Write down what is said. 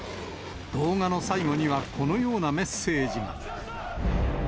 動画の最後には、このようなメッセージが。